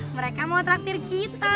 mereka mau traktir kita